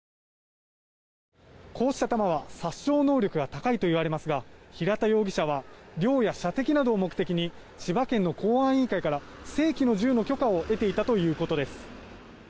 こうした弾は殺傷能力が高いといわれますが平田容疑者は猟や射的などを目的に、千葉県の公安委員会から正規の銃の許可を得ていたということです。